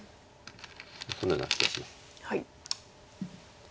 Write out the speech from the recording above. そのような気がします。